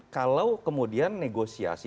kalau kemudian negosiasi